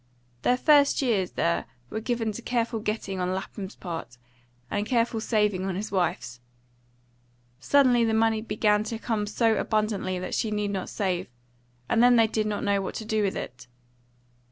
Their first years there were given to careful getting on Lapham's part, and careful saving on his wife's. Suddenly the money began to come so abundantly that she need not save; and then they did not know what to do with it.